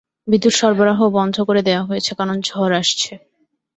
বিদ্যুৎ সরবরাহ বন্ধ করে দেয়া হয়েছে কারণ ঝড় আসছে।